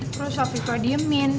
terus afifah diemin